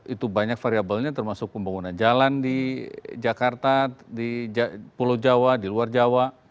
itu banyak variabelnya termasuk pembangunan jalan di jakarta di pulau jawa di luar jawa